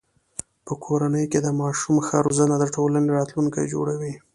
په کورنۍ کې د ماشومانو ښه روزنه د ټولنې راتلونکی جوړوي.